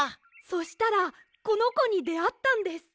そしたらこのこにであったんです。